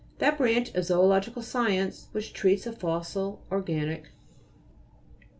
That branch of zo'ological science which treats of fossil organic remains.